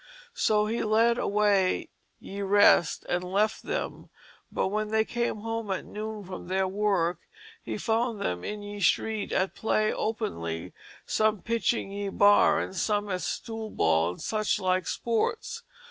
So he led away ye rest and left them; but when they came home at noon from their work he found them in ye street at play openly, some pitching ye bar, and some at stoolball and such like sports.